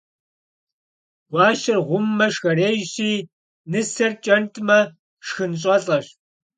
Гуащэр гъуммэ, шхэрейщи, нысэр кӀэнтӀмэ, шхын щӀэлӀэщ.